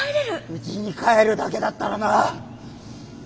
うちに帰るだけだったらな。